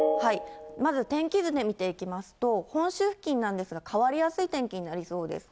まず天気図で見ていきますと、本州付近なんですが変わりやすい天気になりそうです。